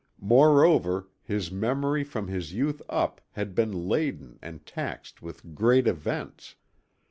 Moreover his memory from his youth up had been laden and taxed with great events.